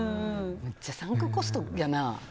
めっちゃサンクコストやな。